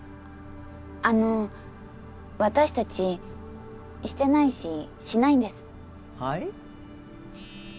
あの私達シてないしシないんですはい？